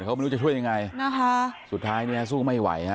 เขาไม่รู้จะช่วยยังไงนะคะสุดท้ายเนี่ยสู้ไม่ไหวฮะ